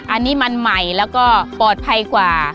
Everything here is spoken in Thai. อันนี้มันใหม่แล้วก็ปลอดภัยกว่า